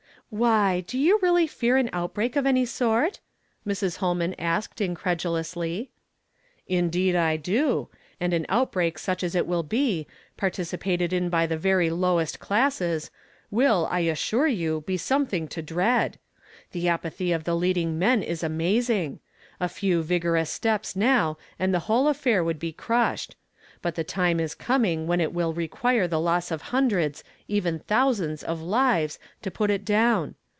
" Why, do you really fear an outbreak of a«y sort ?" Mrs. Holman asked incredulously. " Indeed I do ; and an outbreak such as it amH 'be, participated in by the very lowest classes, \\ill, I assure you, be something to dread. The apathy of the leading men is amazing. A few vigorous steps now and the whole affair would be crushed ; but the time is coming when it will require the Joss of hundreds, even thousands, of lives to put w I "SHALL THE DEAD ARISE?" 291 it down.